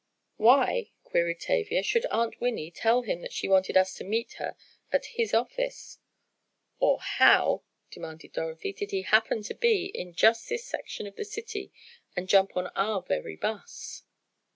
"Why," queried Tavia, "should Aunt Winnie tell him that she wanted us to meet her at his office?" "Or how," demanded Dorothy, "did he happen to be in just this section of the city and jump on our very 'bus?"